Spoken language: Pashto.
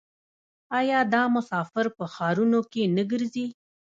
آیا دا مسافر په ښارونو کې نه ګرځي؟